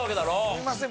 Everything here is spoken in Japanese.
すいません